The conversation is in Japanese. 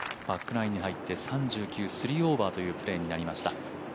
バックナインに入って、３９３オーバーというプレーになりました。